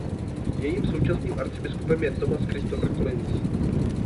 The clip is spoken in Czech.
Jejím současným arcibiskupem je Thomas Christopher Collins.